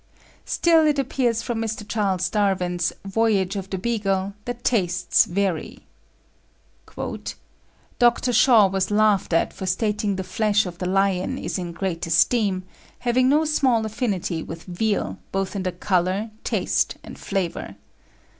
Still it appears from Mr. Charles Darwin's "Voyage of the Beagle," that tastes vary. "Doctor Shaw was laughed at for stating the flesh of the lion is in great esteem, having no small affinity with veal, both in the colour, taste, and flavour.